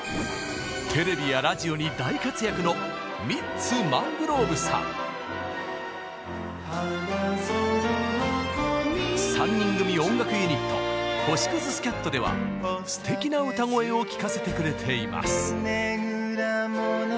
テレビやラジオに大活躍の３人組音楽ユニット「星屑スキャット」ではすてきな歌声を聴かせてくれています。